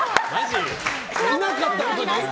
いなかったことに？